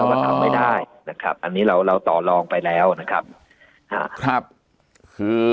มาทำไม่ได้นะครับอันนี้เราเราต่อลองไปแล้วนะครับคือ